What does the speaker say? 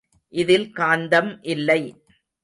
இதில் காந்தம் இல்லை.